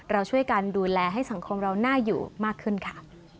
เราช่วยกันดูแลให้สังคมเราน่าอยู่มากขึ้นค่ะ